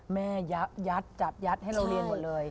แม่ยัดจับยัดให้เราเรียนหมดเลย